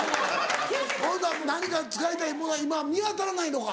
ほんなら何か使いたいものが今見当たらないのか。